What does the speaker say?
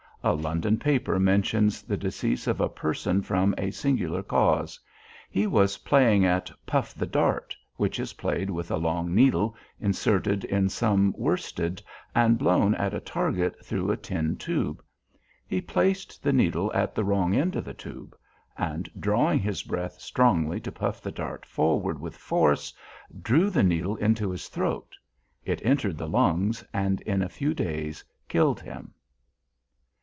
A London paper mentions the decease of a person from a singular cause. He was playing at 'puff the dart,' which is played with a long needle inserted in some worsted, and blown at a target through a tin tube. He placed the needle at the wrong end of the tube, and drawing his breath strongly to puff the dart forward with force, drew the needle into his throat. It entered the lungs, and in a few days killed him."